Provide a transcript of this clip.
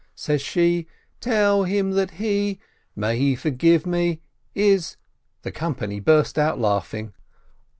Says she, "Tell him that he (may he forgive me!) is " The company burst out laughing.